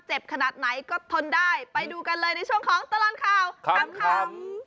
ขนาดไหนก็ทนได้ไปดูกันเลยในช่วงของตลอดข่าวขำ